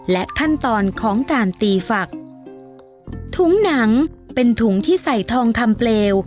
และขั้นตอนของการตีฝักถุงหนังเป็นถุงที่ใส่ทองคำเปลว